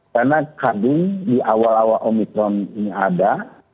karena kandung di awal awal omikron ini ada